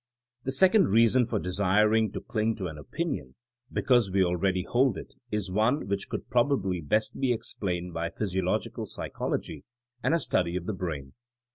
The second reason for desiring to cling to an opinion because we already hold it is one which could probably best be explained by physi ological psychology and a study of the brain.